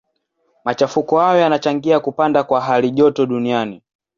Machafuko hayo yanachangia kupanda kwa halijoto duniani.